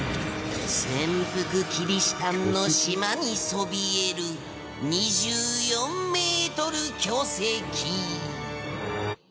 潜伏キリシタンの島にそびえる２４メートル巨石